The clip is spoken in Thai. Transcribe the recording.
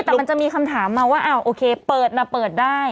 แต่มันจะมีคำถามมาว่าอ้าวโอเคเปิดนะเปิดได้